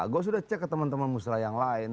gue sudah cek ke teman teman musrah yang lain